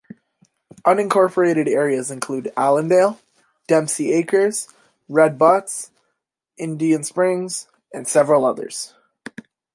Unincorporated areas include Allendale, Dempsey Acres, Red Buttes, Indian Springs, and several others.